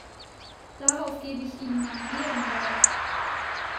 Darauf gebe ich Ihnen mein Ehrenwort!